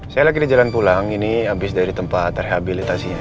saya lagi di jalan pulang ini habis dari tempat rehabilitasinya